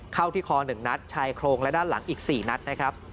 เข้าที่คอ๑นัดชายโครงและด้านหลังอีก๔นัดนะครับ